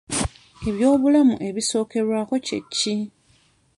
Eby'obulamu ebisookerwako kye ki?